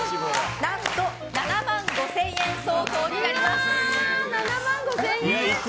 何と７万５０００円相当です。